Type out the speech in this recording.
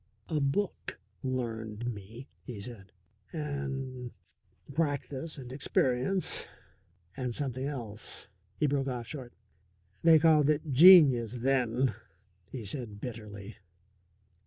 "A book 'learned' me," he said, "and practice and experience and something else." He broke off short. "They called it genius then," he said bitterly.